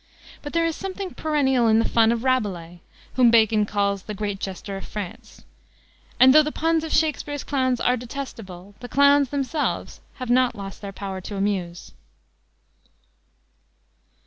But there is something perennial in the fun of Rabelais, whom Bacon called "the great jester of France;" and though the puns of Shakspere's clowns are detestable the clowns themselves have not lost their power to amuse.